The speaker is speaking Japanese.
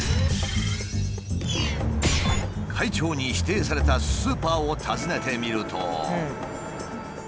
会長に指定されたスーパーを訪ねてみると。